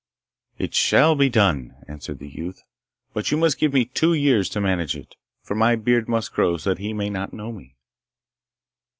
'It shall be done,' answered the youth; 'but you must give me two years to manage it, for my beard must grow so that he may not know me.